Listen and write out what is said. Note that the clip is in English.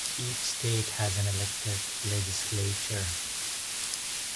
Each state has an elected legislature.